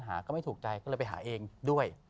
ก็ไม่ถูกใจก็เลยไปหาเองด้วย